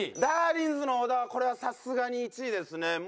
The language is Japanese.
だーりんずの小田はこれはさすがに１位ですね。